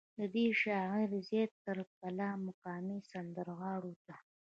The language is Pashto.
ددې شاعر زيات تره کلام مقامي سندرغاړو ته